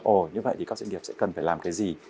ồ như vậy thì các doanh nghiệp sẽ cần phải làm cái gì